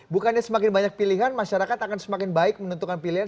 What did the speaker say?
bukannya semakin banyak pilihan masyarakat akan semakin baik menentukan pilihan